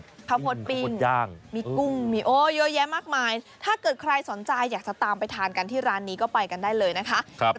ข้าวโพดปิ้งย่างมีกุ้งมีโอ้เยอะแยะมากมายถ้าเกิดใครสนใจอยากจะตามไปทานกันที่ร้านนี้ก็ไปกันได้เลยนะคะ